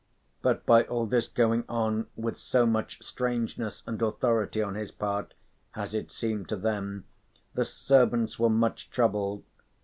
But by all this going on with so much strangeness and authority on his part, as it seemed to them, the servants were much troubled.